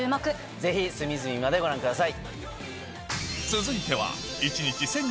ぜひ隅々までご覧ください。